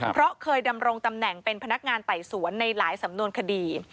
เพราะเคยดำรงตำแหน่งเป็นพนักงานไต่สวนในหลายสำนวนคดี